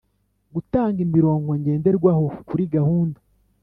gutanga imirongo ngenderwaho kuri gahunda